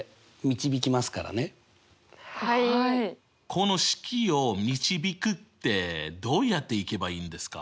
この式を導くってどうやっていけばいいんですか？